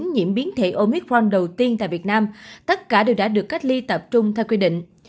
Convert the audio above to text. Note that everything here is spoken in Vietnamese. nhiễm biến thể omitforn đầu tiên tại việt nam tất cả đều đã được cách ly tập trung theo quy định